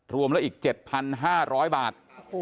รวมแล้วอีก๗๕๐๐บาท